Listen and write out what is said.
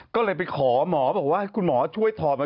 ก็เลยไปขอหมอบอกว่าให้คุณหมอช่วยถอดหน่อย